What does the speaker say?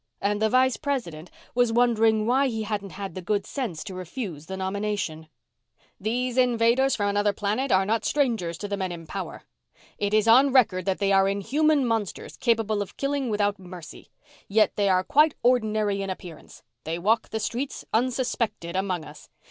And the Vice President was wondering why he hadn't had the good sense to refuse the nomination. "... These invaders from another planet are not strangers to the men in power. It is on record that they are inhuman monsters capable of killing without mercy yet they are quite ordinary in appearance. They walk the streets, unsuspected, among us.